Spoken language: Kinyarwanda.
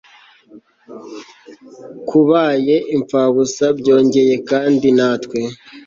kubaye imfabusa byongeye kandi natwe